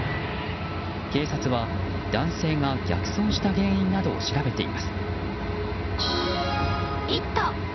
警察は、男性が逆走した原因などを調べています。